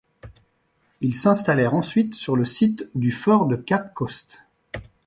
Ils s'installèrent ensuite sur le site du Fort de Cape Coast.